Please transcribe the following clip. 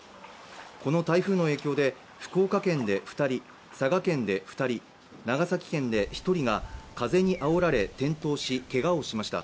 この台風の影響で、福岡県で２人、佐賀県で２人、長崎県で１人が風にあおられ転倒し、けがをしました。